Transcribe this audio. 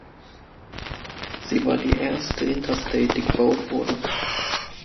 Sie war die erste Interstate, die gebaut wurde.